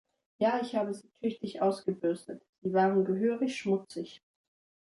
Ja, ich habe sie tüchtig ausgebürstet; sie waren gehörig schmutzig